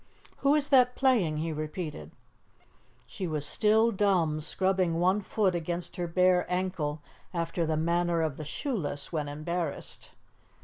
"Who is that playing?" he repeated. She was still dumb, scrubbing one foot against her bare ankle after the manner of the shoeless when embarrassed.